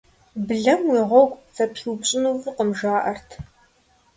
Блэм уи гъуэгу зэпиупщӀыну фӀыкъым, жаӀэрт.